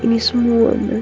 untuk memulai hidup baru